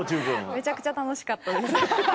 めちゃくちゃ楽しかったです。